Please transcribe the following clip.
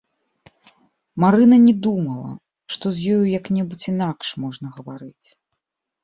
Марына не думала, што з ёю як-небудзь інакш можна гаварыць.